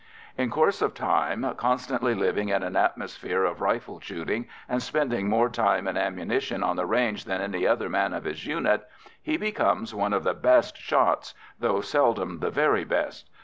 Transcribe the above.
In course of time, constantly living in an atmosphere of rifle shooting, and spending more time and ammunition on the range than any other man of his unit, he becomes one of the best shots, though seldom the very best.